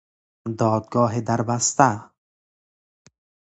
دادگاه دربسته